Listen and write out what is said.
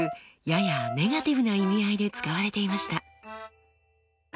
ややネガティブな意味合いで使われていました。